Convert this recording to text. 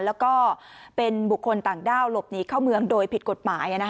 แล้วก็เป็นบุคคลต่างด้าวหลบหนีเข้าเมืองโดยผิดกฎหมาย